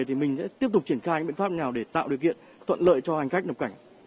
thì mình sẽ tiếp tục triển khai những biện pháp nào để tạo điều kiện thuận lợi cho hành khách nhập cảnh